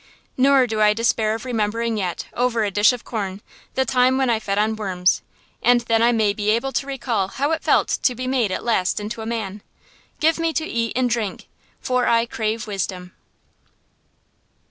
Nor do I despair of remembering yet, over a dish of corn, the time when I fed on worms; and then I may be able to recall how it felt to be made at last into a man. Give me to eat and drink, for I crave wisdom.